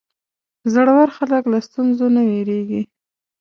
زړور خلک له ستونزو نه وېرېږي.